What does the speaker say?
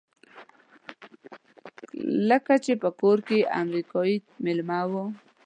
کله چې په کور کې امریکایی مېلمه وي.